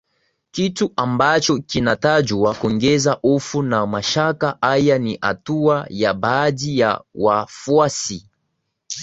kitu ambacho kinatajwa kuongeza hofu na mashaka haya ni hatua ya baadhi ya wafuasi